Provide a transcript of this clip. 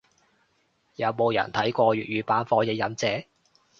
有冇人睇過粵語版火影忍者？